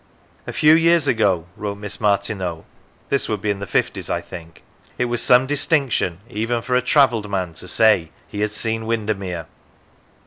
" A few years ago," wrote Miss Martineau (this would be in the fifties, I think), " it was some distinction even for a travelled man to say he had seen Windermere."